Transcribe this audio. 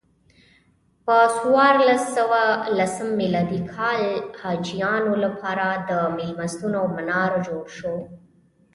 په څوارلس سوه لسم میلادي کال حاجیانو لپاره میلمستون او منار جوړ شو.